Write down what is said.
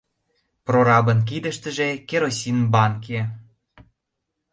Прорабын кидыштыже керосин банке...